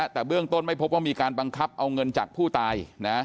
แต่เบื้องต้นไม่พบว่ามีการบังคับเอาเงินจากผู้ตาย